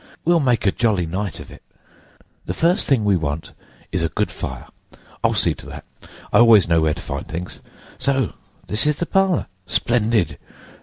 We'll make a jolly night of it. The first thing we want is a good fire; I'll see to that—I always know where to find things. So this is the parlour? Splendid!